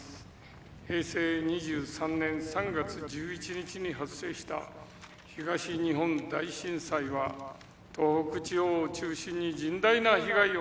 平成２３年３月１１日に発生した東日本大震災は東北地方を中心に甚大な被害をもたらしました。